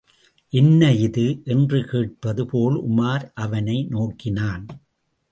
என்ன இது? என்று கேட்பது போல் உமார் அவனை நோக்கினான்.